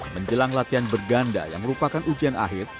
menjelang latihan berganda yang merupakan ujian akhir